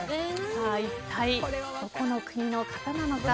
一体どこの国の方なのか。